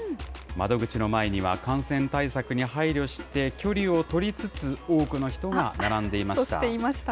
窓口の前には、感染対策に配慮して、距離を取りつつ、多くの人が並んでいました。